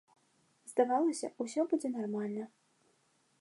Здавалася, усё будзе нармальна.